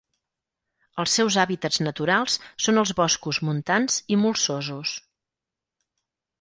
Els seus hàbitats naturals són els boscos montans i molsosos.